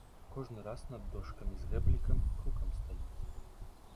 Кожны раз над дошкамі з гэблікам крукам стаіць.